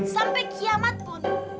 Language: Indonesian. sampai kiamat pun